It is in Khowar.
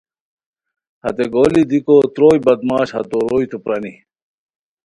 ہتے گولی دیکو تروئے بدمعاش ہتو روئیتو پرانی